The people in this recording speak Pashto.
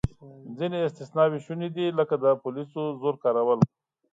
ځینې استثناوې شونې دي، لکه د پولیسو زور کارول.